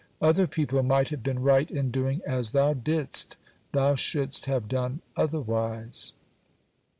"Other people might have been right in doing as thou didst; thou shouldst have done otherwise."